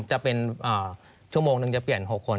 จะเป็นชั่วโมงหนึ่งจะเปลี่ยน๖คน